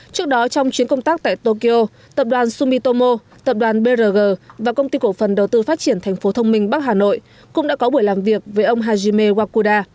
trước đó trong chuyến công tác tại tokyo tập đoàn sumitomo tập đoàn brg và công ty cổ phần đầu tư phát triển tp thbh cũng đã có buổi làm việc với ông hajime wakuda